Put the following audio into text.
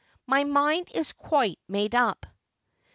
My mind is quite made up.'